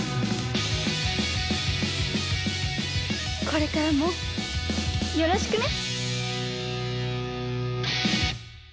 これからもよろしくね。